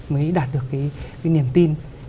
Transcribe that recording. mới đạt được niềm tin